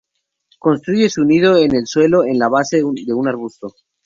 Construye su nido en el suelo en la base de un arbusto.